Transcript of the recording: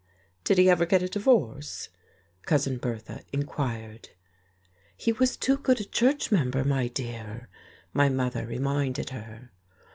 "Did he ever get a divorce?" Cousin Bertha inquired. "He was too good a church member, my dear," my mother reminded her.